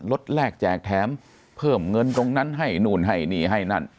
แรกแจกแถมเพิ่มเงินตรงนั้นให้นู่นให้นี่ให้นั่น